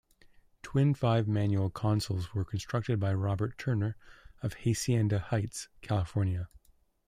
Twin five-manual consoles were constructed by Robert Turner of Hacienda Heights, California.